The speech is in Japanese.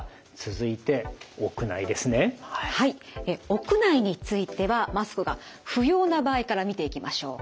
屋内についてはマスクが不要な場合から見ていきましょう。